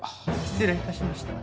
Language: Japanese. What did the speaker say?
失礼致しました。